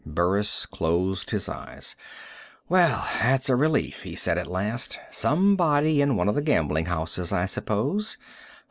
Burris closed his eyes. "Well, that's a relief," he said at last. "Somebody in one of the gambling houses, I suppose.